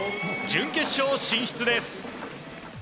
準決勝進出です。